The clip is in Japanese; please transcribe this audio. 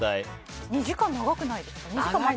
２時間、長くないですか？